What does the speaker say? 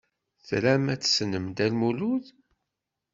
Tram ad tessnem Dda Lmulud?